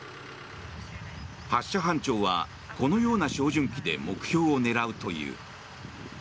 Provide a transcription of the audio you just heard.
発射班長はこのような照準器で目標を狙うという。